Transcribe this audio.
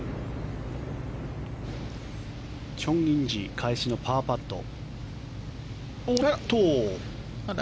チョン・インジ返しのパーパット。